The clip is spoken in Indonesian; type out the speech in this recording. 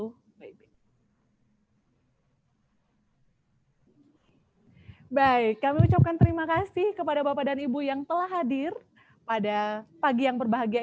hai baik kami ucapkan terima kasih kepada bapak dan ibu yang telah hadir pada pagi yang berbahagia